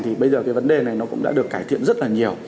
thì bây giờ vấn đề này cũng đã được cải thiện rất là nhiều